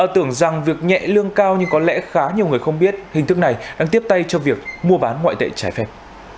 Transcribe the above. tưởng rằng việc nhẹ lương cao nhưng có lẽ khá nhiều người không biết hình thức này đang tiếp tay cho việc mua bán ngoại tệ trái phép